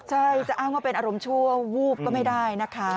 ใช่จะอ้างว่าเป็นอารมณ์ชั่ววูบก็ไม่ได้นะคะ